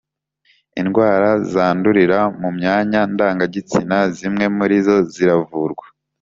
Indwara zandurira mu myanya ndangagitsina zimwe murizo ziravurwa